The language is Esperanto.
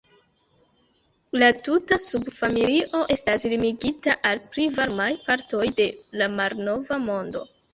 La tuta subfamilio estas limigita al pli varmaj partoj de la Malnova Mondo.